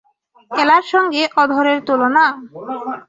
এলার সঙ্গে অধরের তুলনা!